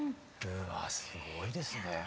うわすごいですね。